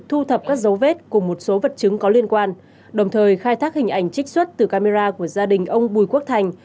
thu thập các dấu vết cùng một số vật chứng có liên quan đồng thời khai thác hình ảnh trích xuất từ camera của gia đình ông bùi quốc thành